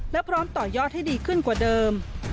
และพร้อมต่อยอดให้ดีขึ้นกว่าเดิม